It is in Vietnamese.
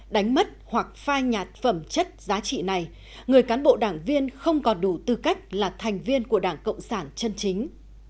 đánh mất hoặc phai nhạt phẩm chất giá trị này người cán bộ đảng viên không còn đủ tư cách là thành viên của đảng cộng sản chân chính